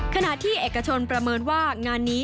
ขณะที่เอกชนประเมินว่างานนี้